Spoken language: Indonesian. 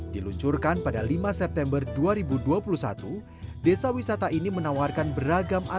diluncurkan pada lima september dua ribu dua puluh satu desa wisata ini menawarkan beragam